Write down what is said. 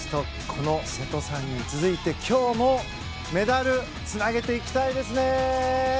この瀬戸さんに続いて今日もメダルつなげていきたいですね。